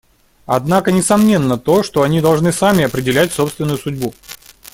Однако несомненно то, что они должны сами определять собственную судьбу.